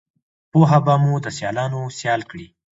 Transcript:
پوهه به مو دسیالانوسیال کړي